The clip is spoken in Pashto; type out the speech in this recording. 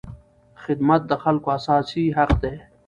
خدمت د خلکو اساسي حق دی.